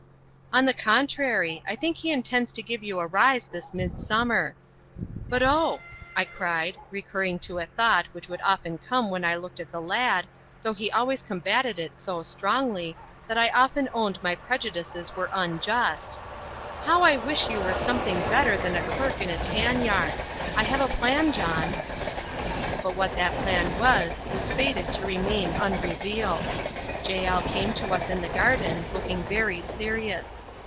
"On the contrary; I think he intends to give you a rise this Midsummer. But oh!" I cried, recurring to a thought which would often come when I looked at the lad, though he always combated it so strongly, that I often owned my prejudices were unjust: "how I wish you were something better than a clerk in a tan yard. I have a plan, John." But what that plan was, was fated to remain unrevealed. Jael came to us in the garden, looking very serious.